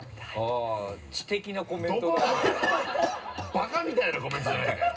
バカみたいなコメントじゃないかよ！